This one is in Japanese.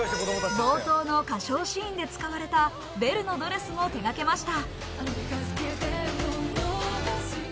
冒頭の歌唱シーンで使われたベルのドレスも手がけました。